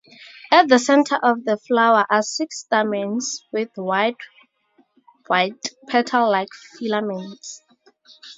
At the center of the flower are six stamens with wide white petal-like filaments.